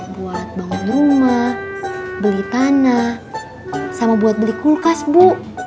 buat bangun rumah beli tanah sama buat beli kulkas bu